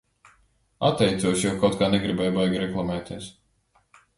Atteicos, jo kaut kā negribēju baigi reklamēties.